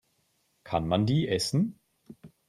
Kann man die essen?